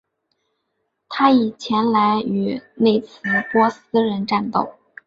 他已前来与内兹珀斯人战斗。